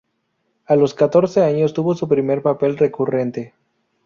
A los catorce años tuvo su primer papel recurrente.